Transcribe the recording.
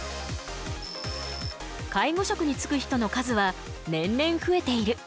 介護職につく人の数は年々増えている。